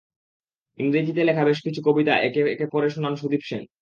ইংরেজিতে লেখা বেশ কিছু কবিতা একে একে পড়ে শোনান সুদীপ সেন।